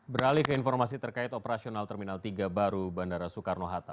beralih ke informasi terkait operasional terminal tiga baru bandara soekarno hatta